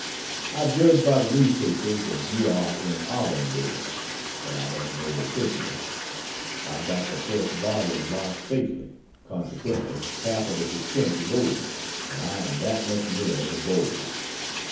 I judge by the newspapers that you are in Auburndale, but I don't know it officially. I've got the first volume launched safely; consequently, half of the suspense is over, and I am that much nearer the goal.